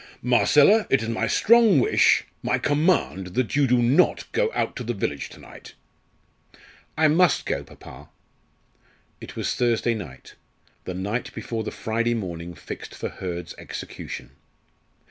"Marcella, it is my strong wish my command that you do not go out to the village to night." "I must go, papa." It was Thursday night the night before the Friday morning fixed for Hurd's execution.